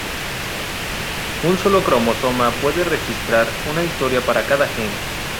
Un solo cromosoma puede registrar una historia para cada gen.